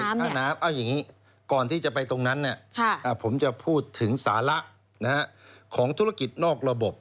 ค่าน้ำเอาอย่างนี้ก่อนที่จะไปตรงนั้นผมจะพูดถึงสาระของธุรกิจนอกระบบ